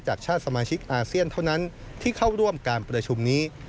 ชาติสมาชิกอาเซียนเท่านั้นที่เข้าร่วมการประชุมนี้